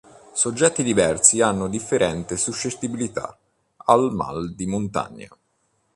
Soggetti diversi hanno differente suscettibilità al mal di montagna.